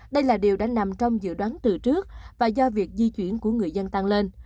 đây là điều đã nằm trong dự đoán từ trước và do việc di chuyển của người dân tăng lên